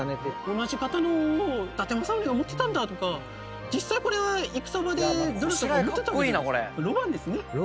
同じ刀を伊達政宗が持ってたんだとか実際これ戦場で誰かが持ってたわけじゃないですか。